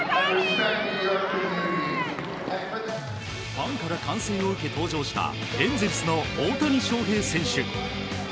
ファンから歓声を受け登場したエンゼルスの大谷翔平選手。